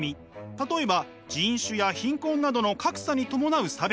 例えば人種や貧困などの格差に伴う差別。